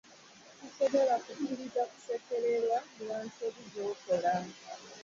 Sisobola kukiriza kusekererwa lwa nsobi z'okola.